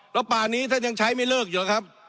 แล้วป่านี้ท่านยังใช้ไม่เลิกอยู่ครับ